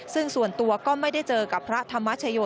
ซึ่งส่วนตัวก็ไม่ได้เจอกับพระธรรมชโย